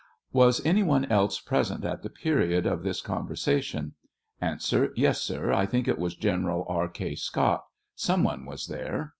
Was any one else present at the period of this conversation ? A. Yes, sir; I think it was General E.K.Scott; some one was there.